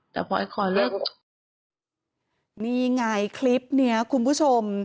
แต่พอเลิกนี่ไงคลิปเนี้ยคุณผู้ชม